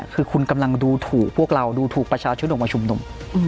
คือคุณกำลังดูถูกพวกเราดูถูกประชาชนออกมาชุมนุม